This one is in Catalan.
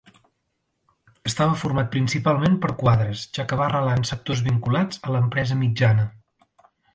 Estava format principalment per quadres, ja que va arrelar en sectors vinculats a l'empresa mitjana.